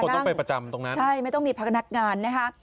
ต้องไปประจำตรงนั้นใช่ไม่ต้องมีพนักงานนะคะ